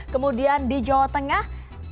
kemudian di jawa tengah